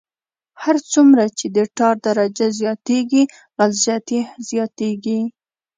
هر څومره چې د ټار درجه زیاتیږي غلظت یې زیاتیږي